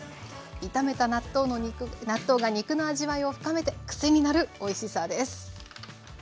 炒めた納豆が肉の味わいを深めて癖になるおいしさです。